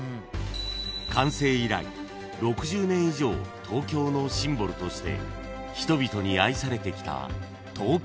［完成以来６０年以上東京のシンボルとして人々に愛されてきた東京タワー］